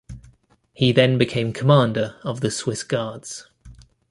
He then became commander of the Swiss Guards.